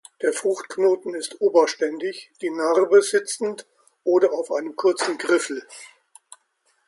Der Fruchtknoten ist oberständig, die Narbe sitzend oder auf einem kurzen Griffel.